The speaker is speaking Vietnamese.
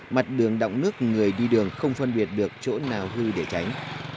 mặt đường đọng nước người đi đường không phân biệt được chỗ nào hư để tránh